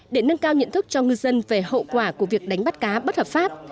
để nâng cao nhận thức cho ngư dân về hậu quả của việc đánh bắt cá bất hợp pháp